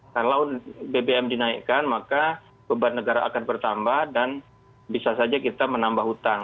kalau bbm dinaikkan maka beban negara akan bertambah dan bisa saja kita menambah hutang